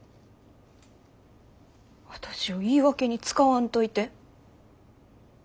私を言い訳に使わんといて。